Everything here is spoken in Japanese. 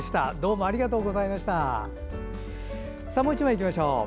もう１枚いきましょう。